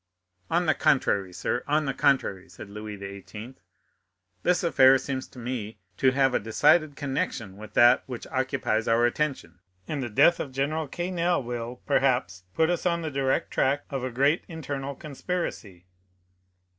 "On the contrary, sir,—on the contrary," said Louis XVIII., "this affair seems to me to have a decided connection with that which occupies our attention, and the death of General Quesnel will, perhaps, put us on the direct track of a great internal conspiracy."